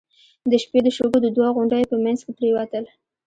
د شپې د شګو د دوو غونډيو په مينځ کې پرېوتل.